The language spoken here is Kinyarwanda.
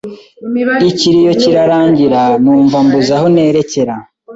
ikiriyo kirarangira, numva mbuze aho nerekera